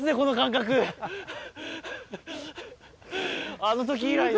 あの時以来の。